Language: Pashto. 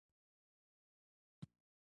جوزف زما نږدې ملګری و او ښه انسان و